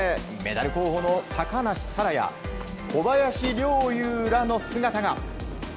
メダル候補の高梨沙羅や小林陵侑らの姿が。